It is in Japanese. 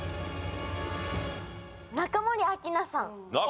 中森明菜さん